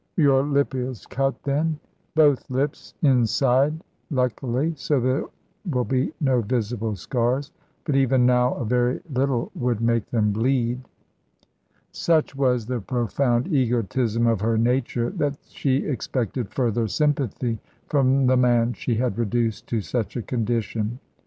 "Your lip is cut, then?" "Both lips inside, luckily, so there will be no visible scars. But even now a very little would make them bleed." Such was the profound egotism of her nature that she expected further sympathy from the man she had reduced to such a condition.